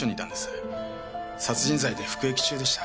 殺人罪で服役中でした。